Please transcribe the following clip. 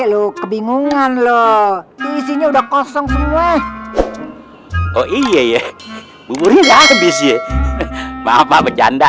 lu kebingungan loh isinya udah kosong semua oh iya ya buburnya habis ya maaf apa bercanda